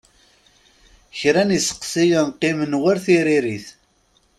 Kra n iseqsiyen qqimen war tiririt.